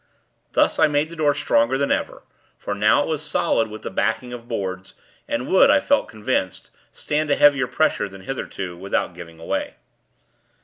Thus, I made the door stronger than ever; for now it was solid with the backing of boards, and would, I felt convinced, stand a heavier pressure than hitherto, without giving way.